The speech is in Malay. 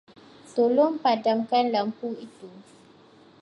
Tolong padamkan lampu itu.